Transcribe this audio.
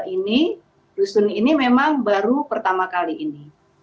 ini dusun ini memang baru pertama kali ini